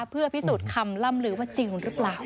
เพื่อพิสูจน์คำล่ำลือว่าจริงหรือเปล่า